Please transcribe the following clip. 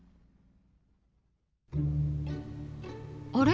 あれ？